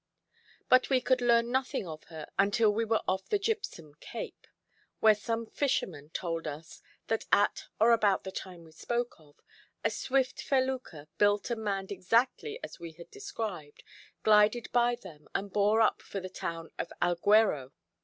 But we could learn nothing of her until we were off the Gypsum Cape; where some fishermen told us, that at or about the time we spoke of, a swift felucca, built and manned exactly as we had described, glided by them and bore up for the town of Alghero.